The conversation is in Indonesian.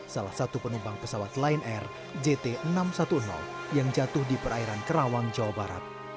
salah satu penumpang pesawat lion air jt enam ratus sepuluh yang jatuh di perairan kerawang jawa barat